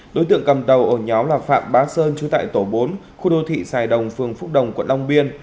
đối tượng cầm đầu ổ nhóm là phạm bá sơn chú tại tổ bốn khu đô thị sài đồng phường phúc đồng quận long biên